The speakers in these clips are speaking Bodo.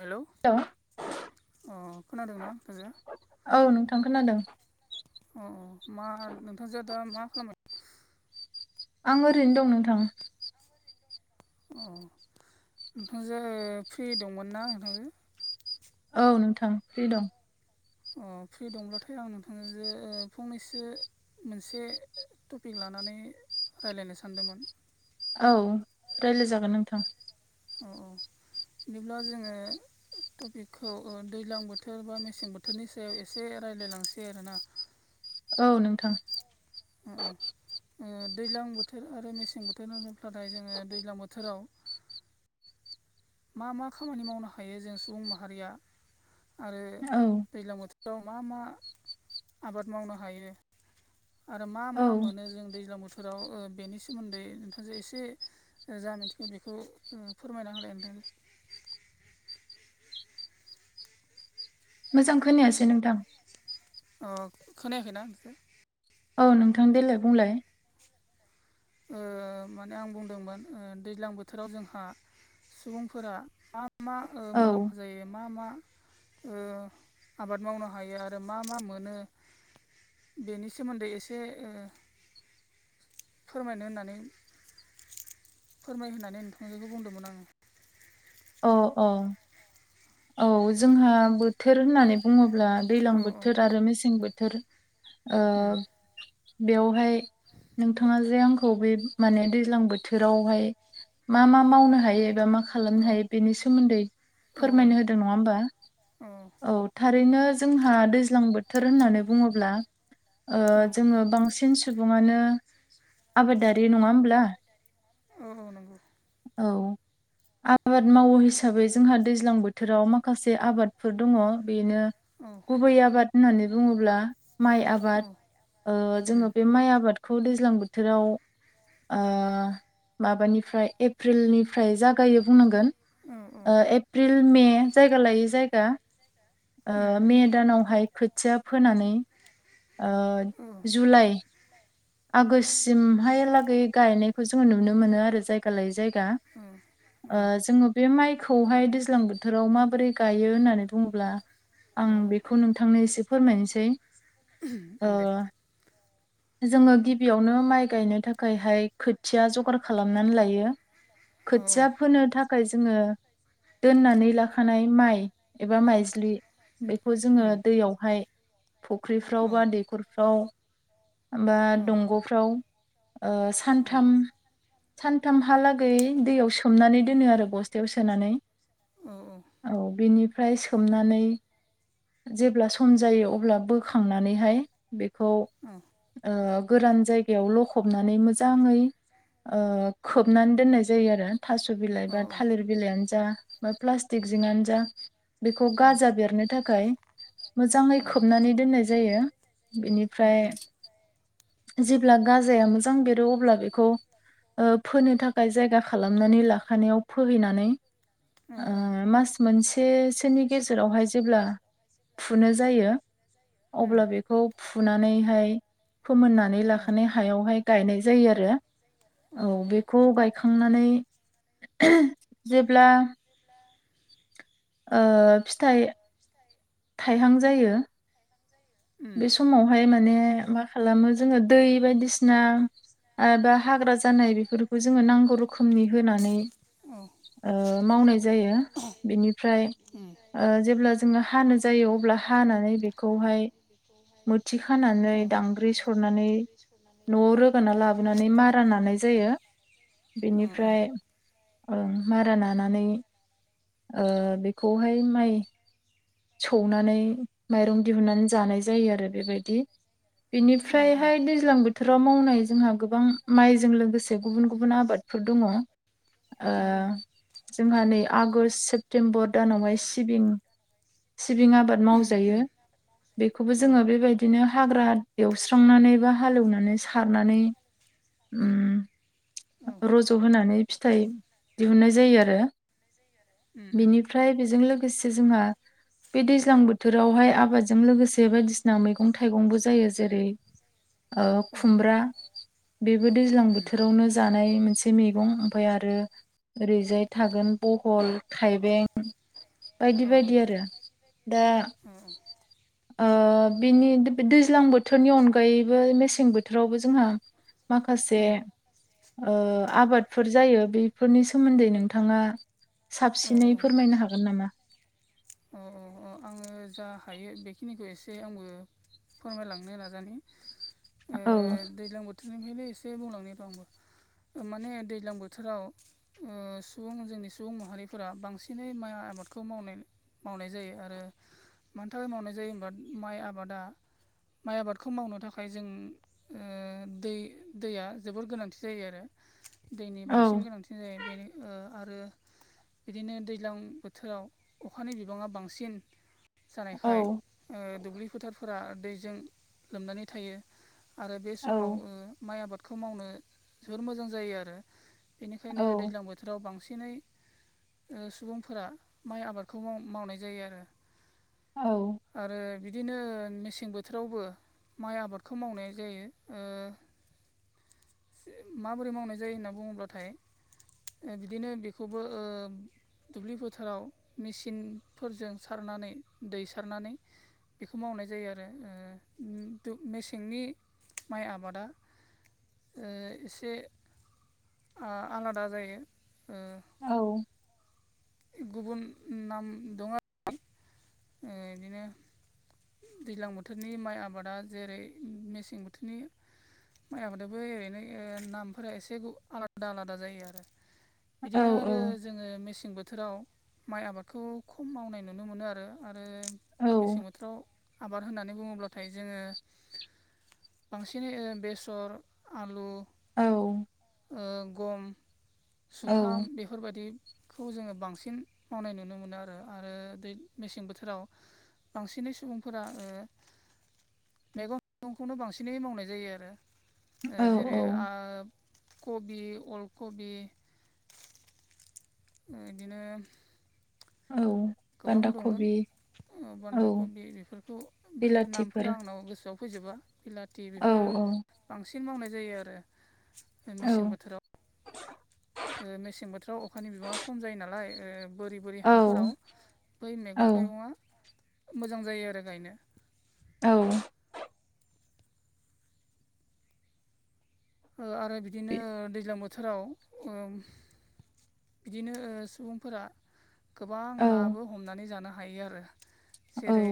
हेलौ अ खोनादोंना नोंथां जो? औ नोंथां खोनादों अ अ मा नोंथांजो दा मा खालामबाय आं ओरैनो दं नोंथां। औ नोंथांजो फ्रि दंमोन ना नोंथांजो? औ नोंथां फ्रि दं। अ फ्रि दंब्लाथाय आं नोंथां जो फंनैसो मोनसे टपिक लानानै रायज्लायनो सानदोंमोन। औ रायज्लायजागोन नोंथां। अ अ बिदिब्ला जोङो टपिकखौ दैज्लां बोथोर बा मेसें बोथोरनि सायाव एसे रायज्लायलांसै आरोना। [inaudible] औ नोंथां। ओ ओ दैज्लां बोथोर आरो मेसें बोथोरा होनोब्लाथाय जोङो दैज्लां बोथोराव मा मा खामानि मावनो हायो जों सुबुं माहारिया आरो औ दैज्लां बोथोराव मा मा आबाद मावनो हायो आरो मा औ मा मोनो जों दैज्लां बोथोराव बेनि सोमोन्दै नोंथांजों एसे जा मिथिगौ बेखौ ओम फोरमायना होनायनि थाखाय मोजां खोनायासै नोंथां। अ खोनायाखैना [unintelligible] औ नोंथां देलाय बुंलाय। ओ माने आं बुंदोंमोन दैज्लां बोथोराव जोंहा सुबुंफोरा मा मा औ मुलाम्फा जायो मा मा ओ आबाद मावनो हायो आरो मा मा मोनो बेनि सोमोन्दै एसे फोरमायनो होननानै फोरमाय होननानै नोंथांजोखौ बुंदोंमोन आङो। अ औ औ जोंहा बोथोर होननानै बुङोब्ला दैज्लां औ बोथोर आरो मेसें बोथोर ओ उम बेवहाय नोंथाङा जे आंखौ बे माने दैज्लां बोथोरावहाय मा मा मावनो हायो एबा मा औ खालामनो हायो बेनि सोमोन्दै औ औ फोरमायनो होदों नङा होमबा? औ थारैनो जोंहा दैज्लां बोथोर होननानै बुङोब्ला जोङो बांसिन सुबुङानो आबादारि नङा होमब्ला औ नंगौ। औ आबाद मावो हिसाबै जोंहा दैज्लां बो थोराव माखासे आबादफोर दङ। बेनो औ गुबै आबाद होननानै बुङोब्ला माइ औ आबाद। ओ उम जोङो बे माइ आबाद खौ दैज्लां बोथोराव ओ माबानिफ्राय एप्रिलनिफ्राय जागायो बुंनांगोन औ औ ओ एप एप्रिल मे जायगा लायै जायगा उम ओ मे दानावहाय खोथिया फोनानै ओ औ जुलाइ आगष्टसिम हाय लागै गायनायखौ जोङो नुनो मोनो आरो जायगा लायै जायगा। औ ओ जोङो बे माइखौ हाय दैज्लां बोथोराव माबोरै गायो होननानै बुङोब्ला औ आं बेखौ नोंथांनो एसे फोरमायनोसै। ओ दे। जोङो गिबियावनो माइ गायनो थाखाय हाय खोथिया जगार खालामनानै लायो। औ खोथिया फोनो थाखाय जोङो दोननानै लाखानाय माइ एबा माइज्लि बेखौ जोङो उम दैयाव हाय औ फुख्रिफ्राव बा दैखरफ्राव बा औ दंग'फ्राव ओ सानथाम सानथामहा लागै दैयाव सोमनानै दोनो आरो बस्थायाव सोनानै। औ औ। औ बेनिफ्राय सोमनानै जेब्ला सम जायो अब्ला बोखांनानै हाय बेखौ ओ गोरान जायगायाव लखबनानै मोजाङै ओ खोबनानै दोननाय जायो आरो थास' बिलाइ बा औ थालिर बिलायानो जा बा प्लासटिक जिंआनो जा बेखौ औ गाजा बेरनो थाखाय मोजाङै उम उम औ उम औ उम खोबनानै दोननाय जायो बेनिफ्राय जेब्ला गाजाया मोजां बेरो अब्ला बेखौ ओ फोनो थाखाय जायगा खालामनानै लाखानायाव फोहैनानै ओ मास मोनसेसोनि गेजेराव हाय जेब्ला फुनो जायो अब्ला बेखौ फुनानैहाय फोमोननानै लाखानाय हायाव हाय गायनाय जायो आरो। औ बेखौ गायखांनानै जेब्ला ओ फिथाइ थाइहां जायो बे समाव हाय माने मा खालामो जोङो दै बायदिसिना बा हाग्रा जानाय बेफोरखौ जोङो नांगौ रोखोमनि होनानै औ ओ मावनाय जायो बेनिफ्राय उम औ ओ जेब्ला जोङो हानो जायो अब्ला हानानै बेखौ हाय मोथि खानानै दांगांग्रि खानानै सरनानै दानद्रि सरनानै न'आव रोगा लाबोनानै मारा लानाय जायो औ बेनिफ्राय ओं मारा नानानै ओ बेखौ हाय माइ सौनानै माइरं दिहुननानै जानाय जायो आरो बेबायदि। औ बिनिफ्राय हाय दैज ज्लां बोथोराव मावनाय जोंहा गोबां माइजों लोगोसे गुबुन गुबुन आबादफोर दङ। ओ उम जोंहा नै आगष्ट सेप्तेम्बर दानावहाय सिबिं सिबिं आबाद उम मावजायो। बेखौबो औ जोङो बेबायदिनो हाग्रा एवस्रांनानै बा हालौनानै सारनानै ओम। रज' होनानै फिथाइ दिहुननाय जायो आरो। उम उम बिनिफ्राय बेजों लोगोसे जोंहा बे दैज्लां बोथोराव हाय आबादजों लोगोसे बायदिसिना मैगं थाइगंबो जायो जेरै औ उम औ खुमब्रा बेबो दैज्लां बोथोरावनो जानाय मोनसे एसे मैगं ओमफ्राय आरो ओरैजाय थागोन बहल थायबें बायदि बायदि आरो दा [unintelligible] बिनि दैज्लां बोथोरनि अनगायैबो मेसें बोथोरावबो जोंहा माखासे आबादफोर जायो बेफोरनि सोमोन्दै नोंथाङा औ साबसिनै फोरमायनो हागोन नामा औ औ आङो जा हायो बेखिनिखौ एसे आंबो फोरमायलांनो नाजानाय औ दैज्लां बोथोरनिफ्रायनो एसे बुंलांनायब आंबो माने दैज्लां बोथोराव सुबुं जोंनि सुबुं माहारिफोरा बांसिनै माइ आबादखौ मावनाय‌ मावनाय जायो आरो मानि थाखाय मावनाय जायो होनबा माइ आबादा माइ आबादखौ मावनो थाखाय जों दै दैया जोबोर गोनांथि जायो आरो दैनि बांसिन गोनांथि बेनो आरो बिदिनो दैज्लां बोथोराव अखानि बिबाङा बांसिन औ जानायखाय दुब्लि फोथारफोरा दैजों लोमनानै थायो आरो बे औ समाव माइ आबादखौ मावनो जोबोर मोजां जायो आरो औ बेनिखायनो दैज्लां बोथोर जोराव बांसिनै सुबुंफोरा माइ आबादखौ मावनाय जायो आरो औ आरो बिदिनो मेसें बोथोरावबो माइ आबादखौ मावनाय जायो माबोरै मावनाय जायो होनना बुङोब्लाथाय बिदिनो बेखौबो दुब्लि बोथोराव मेचिनफोरजों सारनानै दै सारनानै बेखौ मावनाय जायो आरो मेसेंनि माइ आबादा एसे आलादा जायो औ गुबुन नाम दं आरो बिदिनो दैज्लां बोथोरनि माइ आबादा जेरै मेसें बोथोरनि माइखौ जों बै ओरैनो नामफोरा एसे आलादा आलादा जायो आरो औ बिदिनो आरो जोङो मेसें बोथोराव माइ आबादखौ खम मावनाय नुनो मोनो आरो आरो मेसें बोथोराव आबाद होननानै बुङोब्लाथाय जोङो बांसिनै बेसर आलु औ ओ गम औ जुखाम बे फोरबायदिखौ जोङो बांसिन मावनाय नुनो मोनो आरो आरो दै मेसें बोथोराव बांसिनै सुबुंफोरा मैगं थाइगंखौनो बांसिनै मावनाय जायो आरो जेरै- औ ओ कबि अल कबि बिदिनो औ गोबां बान्दा दङ कबि औ बान्दा खबि बेफोरखौ बे बिलाथिफोर नामफोरा आंनाव गोसोआव फैजोबा बिलाथि औ बेफोरो औ बांसिन मावनाय जायो आरो मेसें औ बोथोराव मेसें बोथोराव अखानि बिबाङा खम जायो नालाय बोरै बोरै औ हाफोराव बै औ मैगं थाइगं मोजां जायो आरो गायनो औ आरो बिदिनो दैज्लां बोथोराव ओ बिदिनो सुबुंफोरा गोबां नाबो औ हमनानै जानो हायो आरो जेरै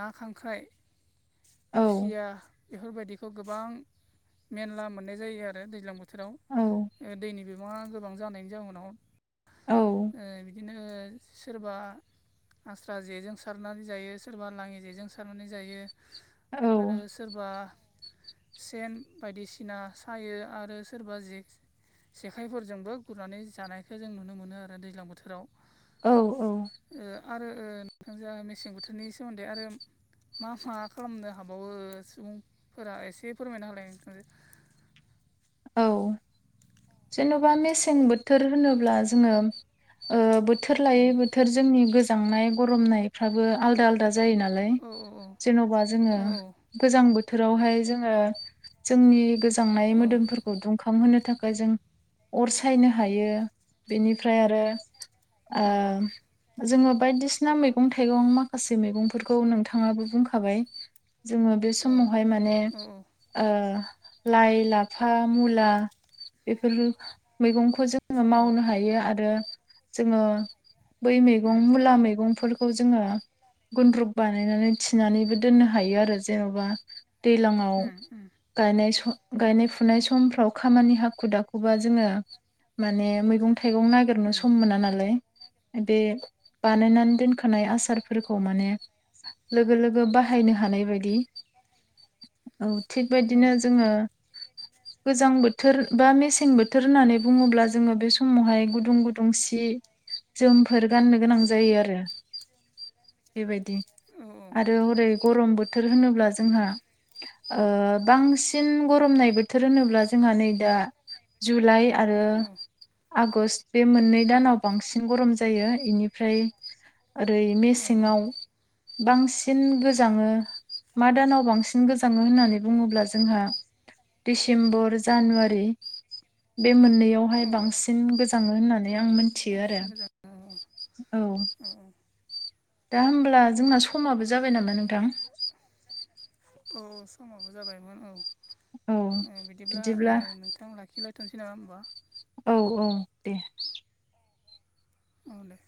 ना खांख्राइ खुसिया बेफोरबायदिखौ गोबां मेनला मोननाय जायो आरो दैज्लां बोथोराव दैनि बिबाङा गोबां जानायनि जाउनाव ओ औ बिदिनो सोरबा आस्रा जेजों सारनानै जायो सोरबा लाङि जेजों सारनानै जायो औ आरो सोरबा सेन बायदिसिना सायो आरो सोरबा जे जेखाइफोरजोंबो गुरनानै जानायखौ जों नुनो मोनो आरो दैज्लां बोथोराव औ औ ओ आरो ओ नोंथां जों मेसें बोथोरनि सोमोन्दै आरो मा मा खालामनो हाबावो सुबुंफोरा एसे फोरमायनो हालाय नोंथांजो औ जेन'बा मेसें बोथोर होनोब्ला जोङो ओ बोथोर लायै औ बोथोर जोंनि गोजांनाय गरमनायफ्राबो आलदा आलदा दा जायो नालाय औ जेन'बा जोङो औ गोजां बोथोरावहाय जोङो जोंनि गोजांनाय औ मोदोमफोरखौ दुंखां होनो थाखाय जों अर सायनो हायो बेनिफ्राय आरो औ ओम जोङो बायदिसिना मैगं थाइगं माखासे मैगंफोरखौ नोंथाङाबो बुंखाबाय जोङो बे औ समावहाय माने औ ओ लाइ लाफा फा मुला बेफोर मैगंखौ जोङो औ मावनो हायो आरो जोङो बै उम मैगं मुला मैगंफोरखौ जोङो गुन्द्रुब बानायनानै गुन्द्रुक बानायनानै हायो आरो जों उम औ उम औ थिनानैबो दोननो हायो आरो जेन'बा दैलांयाव गायनाय स गायनाय फु फुनाय समफ्राव खामानि हाखु दाखुबा जोङ मान मै थाइगं नागिरनो सम मोना नालाय बे बानायनानै दोन खानाय आसार फोरखौ माने लोगो लो गो बाहायनो हानाय बायदि। औ थिग बदिनो जोङो गोजां बोथोर बा मेसें बोथोर होननानै बुङोब्ला जोङो बे समावहाय गुदुं गुदुं सि जोमफोर गाननो गोनां जायो आरो बेबायदि आरो हरै गरम बोथोर होनोब्ला जोंहा ओ बांसिन गरमनाय बोथोर होनोब्ला जोंहा नै दा जुलाइ आरो आगषट बे मोननै दानाव बांसिन गरम जायो बेनिफ्राय ओरै मेसेङाव बांसिन गोजाङो मा दानाव बांसिन गोजाङो होननानै बुङोब्ला जोंहा डिसिम्बर जानुवारि बे मोननैयावहाय औ औ बांसिन गोजाङो होननानै आं मोन मिथियो आरो औ अ औ दा होमब्ला जोंना समाबो जाबाय नामा नोंथां अ समाबो जाबायमोन औ औ ओ बिदिब्ला ओ नोंथां लाखिलायथ'सै नामा होनोमबा औ औ दे औ दे